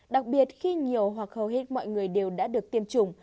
đặc biệt khi nhiều hoặc hầu hết mọi người đều đã được tiêm chủng